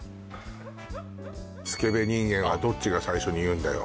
「スケベニンゲン」はどっちが最初に言うんだよ